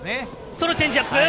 そのチェンジアップ！